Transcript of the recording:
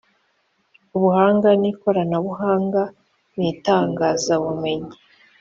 ubuhanga n ikoranabuhanga mu itangazabumenyi